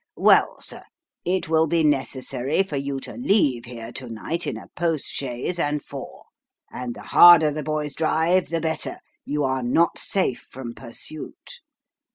Well, sir ; it will be necessary for you to leave hero to night in a post chaise and four. And the harder the boys drive, the better. You are not safe from pursuit."